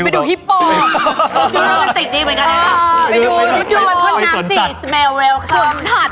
ดูนอกติดดีเหมือนกันนะครับ